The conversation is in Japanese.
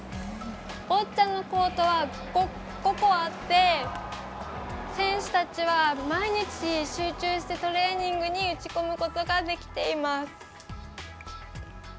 ボッチャのコートは５個あって選手たちは毎日、集中してトレーニングに打ち込むことができています。